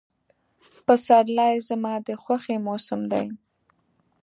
پسرلی زما د خوښې موسم دی.